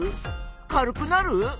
軽くなる？